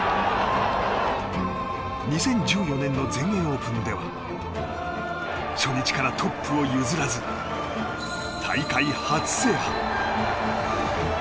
２０１４年の全英オープンでは初日からトップを譲らず大会初制覇。